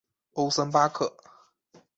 欧森巴克。